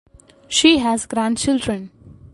She has grandchildren.